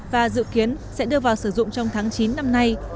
và dự kiến sẽ đưa vào sử dụng trong tháng chín năm nay